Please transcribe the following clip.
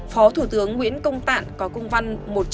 phó thủ tướng nguyễn công tạn có công văn một trăm chín mươi